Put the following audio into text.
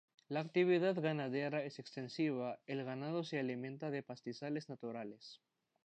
La actividad ganadera es extensiva, el ganado se alimenta de pastizales naturales.